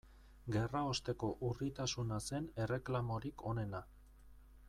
Gerraosteko urritasuna zen erreklamorik onena.